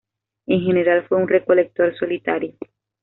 En general fue un recolector solitario.